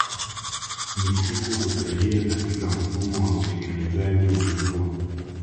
Misitu Husaidia katika mfumo wa utengenezaji wa mvua